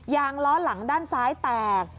งล้อหลังด้านซ้ายแตก